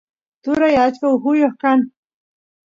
turat achka ujuy kan